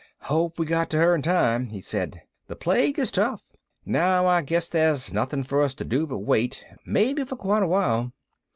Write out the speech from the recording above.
"Hope we got to her in time," he said. "The plague is tough. Now I guess there's nothing for us to do but wait, maybe for quite a while."